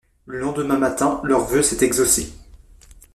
Le lendemain matin, leur vœu s'est exaucé.